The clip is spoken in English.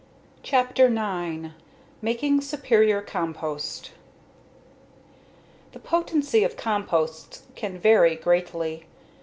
CHAPTER NINE Making Superior Compost The potency of composts can vary greatly.